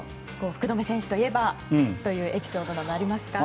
福留選手といえばというエピソードなど、ありますか。